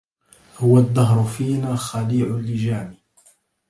هو الدهر فينا خليع اللجام